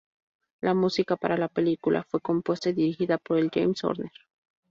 La música para la película fue compuesta y dirigida por James Horner.